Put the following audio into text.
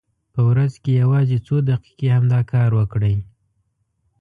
په ورځ کې یوازې څو دقیقې همدا کار وکړئ.